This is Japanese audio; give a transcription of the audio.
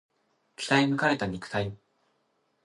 鍛え抜かれた肉体